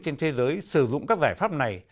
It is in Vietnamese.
trên thế giới sử dụng các giải pháp này